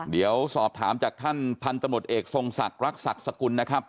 เดี๋ยวสอบถามจากท่านพันธมตเอกทรงศักดิ์ศักดิ์สกุลนะครับ